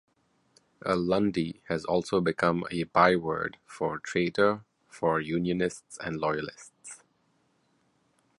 A 'Lundy' has also become a byword for traitor for unionists and loyalists.